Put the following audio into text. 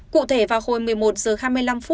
cụ thể vào hồi một mươi một h hai mươi năm